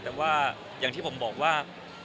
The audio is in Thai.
แต่ว่าอย่างที่ผมบอกว่า